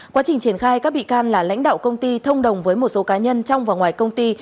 quá trình triển khai các bị can là lãnh đạo công ty thông đồng với một số cá nhân trong và ngoài công ty